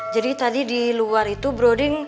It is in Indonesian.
jadi tadi di luar itu bro d